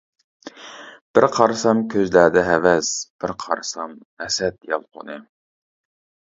بىر قارىسام كۆزلەردە ھەۋەس، بىر قارىسام ھەسەت يالقۇنى.